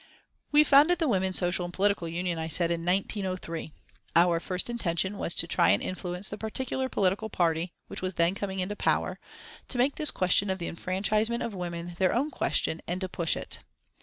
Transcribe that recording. "We founded the Women's Social and Political Union," I said, "in 1903. Our first intention was to try and influence the particular political Party, which was then coming into power, to make this question of the enfranchisement of women their own question and to push it.